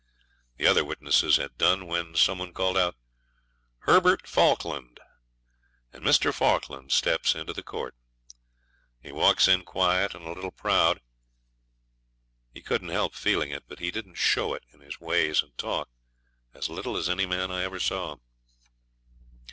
The other witnesses had done, when some one called out, 'Herbert Falkland,' and Mr. Falkland steps into the court. He walks in quiet and a little proud; he couldn't help feeling it, but he didn't show it in his ways and talk, as little as any man I ever saw.